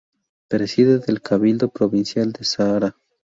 Presidente del Cabildo Provincial del Sahara.